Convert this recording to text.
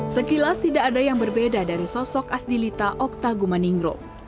sekilas tidak ada yang berbeda dari sosok asli lita okta gumaningro